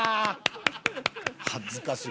恥ずかしい。